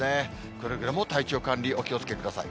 くれぐれも体調管理、お気をつけください。